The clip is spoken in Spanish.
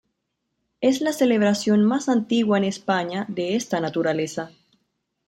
Es la celebración más antigua en España de esta naturaleza.